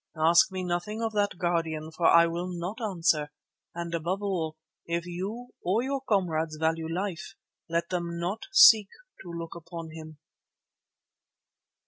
Ask me nothing of that guardian, for I will not answer, and, above all, if you or your comrades value life, let them not seek to look upon him."